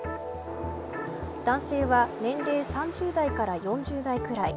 男性は年齢３０代から４０代ぐらい。